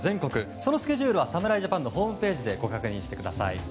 そのスケジュールは侍ジャパンのホームページでご確認してください。